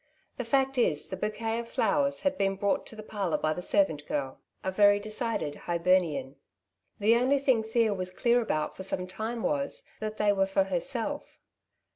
The fact is the bouquet of flowers had been brought to the parlour by the servant girl, a very decided Hibernian. The only thing Thea was so " Two Sides to every Question^ clear about for some time was, that they were for herself.